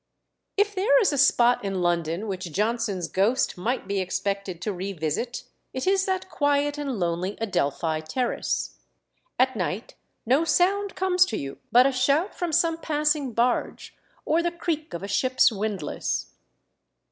If there is a spot in London which Johnson's ghost might be expected to revisit, it is that quiet and lonely Adelphi Terrace. At night no sound comes to you but a shout from some passing barge, or the creak of a ship's windlass.